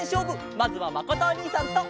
まずはまことおにいさんと。